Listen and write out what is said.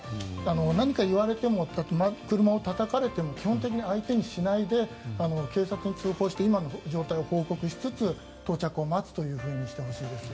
何か言われても車をたたかれても基本的に相手にしないで警察に通報して今の状態を報告しつつ到着を待つというふうにしてほしいです。